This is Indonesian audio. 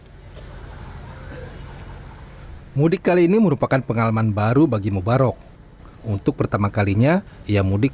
hai mudik kali ini merupakan pengalaman baru bagi mubarok untuk pertama kalinya ia mudik